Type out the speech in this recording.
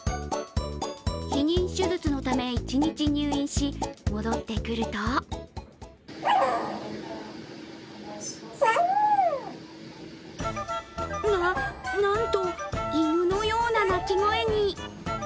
避妊手術のため一日入院し、戻ってくるとな、なんと、犬のような鳴き声に！